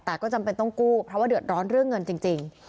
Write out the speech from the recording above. แต่ก็จำเป็นต้องกู้เพราะว่าเดือดร้อนเรื่องเงินจริง